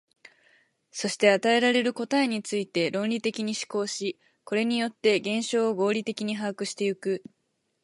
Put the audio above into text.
そして与えられる答えについて論理的に思考し、これによって現象を合理的に把握してゆく。